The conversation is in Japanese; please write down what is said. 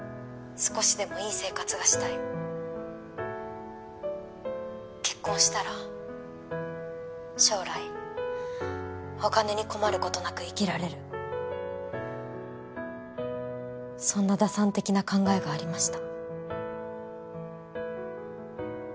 少しでもいい生活がしたい結婚したら将来お金に困ることなく生きられるそんな打算的な考えがありました